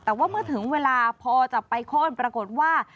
แต่ว่าเมื่อถึงเวลาพอจะไปค้นปรากฏว่า